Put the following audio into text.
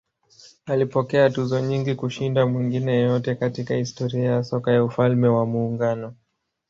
Alipokea tuzo nyingi kushinda mwingine yeyote katika historia ya soka ya Ufalme wa Muungano.